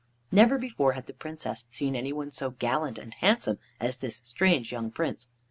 Never before had the Princess seen any one so gallant and handsome as this strange young Prince.